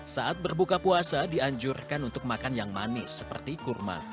saat berbuka puasa dianjurkan untuk makan yang manis seperti kurma